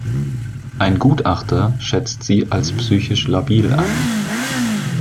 Ein Gutachter schätzt sie als psychisch labil ein.